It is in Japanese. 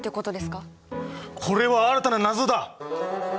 これは新たな謎だ。